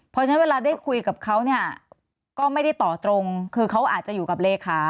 เพราะฉะนั้นเวลาได้คุยกับเขาเนี่ยก็ไม่ได้ต่อตรงคือเขาอาจจะอยู่กับเลขา